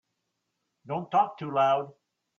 Don't talk too loud.